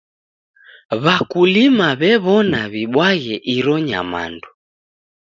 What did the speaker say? W'akulima w'ew'ona w'ibwaghe iro nyamandu.